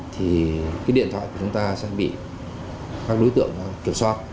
thì cái điện thoại của chúng ta sẽ bị các đối tượng kiểm soát